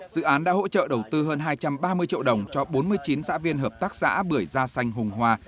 dự án đã hỗ trợ đầu tư hơn hai trăm ba mươi triệu đồng cho bốn mươi chín xã viên hợp tác xã bưởi da xanh hùng hòa